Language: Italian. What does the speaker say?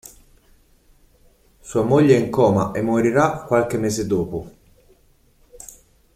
Sua moglie è in coma e morirà qualche mese dopo.